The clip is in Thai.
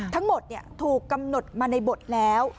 ทั้งหมดถูกกำหนดมาในบทแล้ว